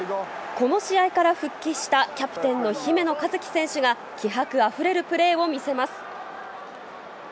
この試合から復帰した、キャプテンの姫野和樹選手が、気迫あふれるプレーを見せます。